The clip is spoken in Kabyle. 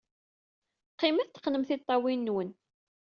Qqimet, teqqnem tiṭṭawin-nwen.